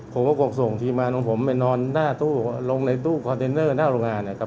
ผมก็คงส่งทีมงานของผมไปนอนหน้าตู้ลงในตู้คอนเทนเนอร์หน้าโรงงานนะครับ